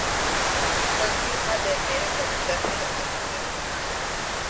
He certainly had the advantage of possessing influential friends.